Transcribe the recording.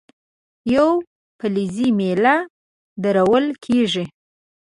یوه فلزي میله درول کیږي.